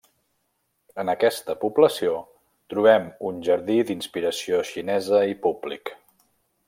En aquesta població trobem un jardí d'inspiració xinesa i públic.